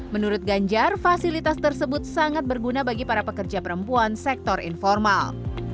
menurut ganjar fasilitas tersebut sangat berguna bagi para pekerja perempuan sektor informal